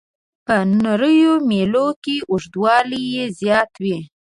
په نریو میلو کې اوږدوالی یې زیات وي.